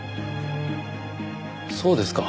そうですか。